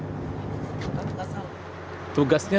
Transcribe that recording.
tugasnya menerima kemampuan pencari korban tenggelam